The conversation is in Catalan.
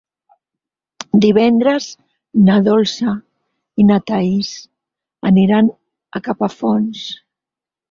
Divendres na Dolça i na Thaís aniran a Capafonts.